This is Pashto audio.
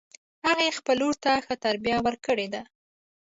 هغې خپل لور ته ښه تربیه ورکړې ده